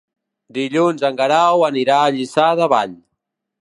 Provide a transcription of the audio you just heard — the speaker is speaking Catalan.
Dilluns en Guerau anirà a Lliçà de Vall.